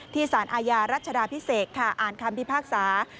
ที่สารอาญารัฐชดาพิเศษค่ะอ่านคำที่ภาคศา